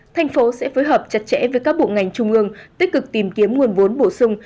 thành phố sẽ phối hợp chặt chẽ với các bộ ngành trung ương tích cực tìm kiếm nguồn vốn bổ sung